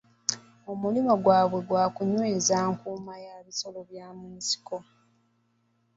Omulimi gwabwe gwa kunyweza nkuuma y'ebisolo by'omu nsiko.